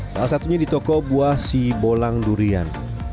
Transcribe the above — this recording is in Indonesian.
salah satunya di toko buah si bolang durian